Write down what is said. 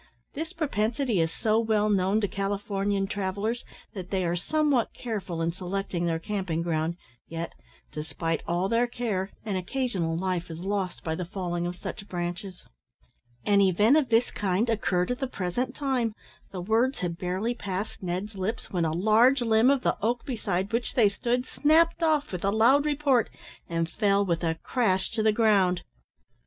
This propensity is so well known to Californian travellers that they are somewhat careful in selecting their camping ground, yet, despite all their care, an occasional life is lost by the falling of such branches. An event of this kind occurred at the present time. The words had barely passed Ned's lips, when a large limb of the oak beside which they stood snapt off with a loud report, and fell with a crash to the ground.